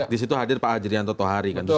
di situ hadir pak hj thohari kan